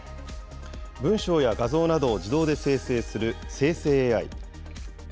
文章や画像などを自動で生成する生成ＡＩ。